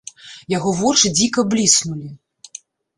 Яго вочы дзіка бліснулі.